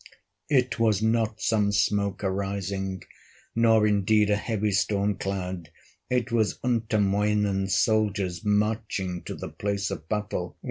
It was not some smoke arising, Nor indeed a heavy storm cloud, It was Untamoinen's soldiers Marching to the place of battle.